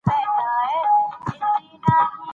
موږ باید له نویو لارو کار واخلو.